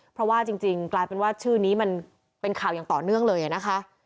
เพราะว่าจริงกลายเป็นว่าชื่อนี้มันเป็นข่าวอย่างต่อเนื่องเลยนะคะ